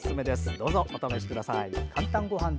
どうぞお試しください。